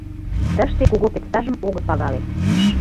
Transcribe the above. — Тыште кугу педстажым огыт пагале.